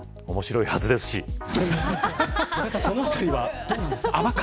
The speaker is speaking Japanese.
面白いはずですしそのあたりは、どうなんですか。